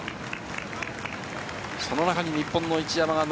その中に日本の一山。